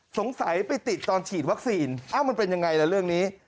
สงสัยไปติดตอนฉีดวัคซีนเอ้ามันเป็นยังไงล่ะเรื่องนี้